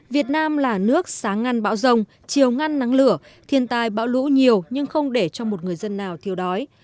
việt nam là nước sáng ngăn bão rồng chiều ngăn nắng lửa thiên tai bão lũ nhiều nhưng không để cho một người dân nào thiếu đói